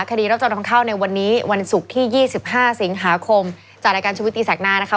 คดีรับจอทองเข้าในวันนี้วันศุกร์ที่๒๕สิงหาคมจากรายการชุวิตตีแสกหน้านะคะ